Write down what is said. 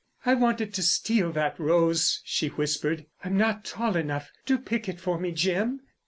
"I wanted to steal that rose," she whispered. "I'm not tall enough. Do pick it for me, Jim."